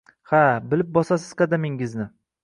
Ha, bilib bosasizqadamingizni!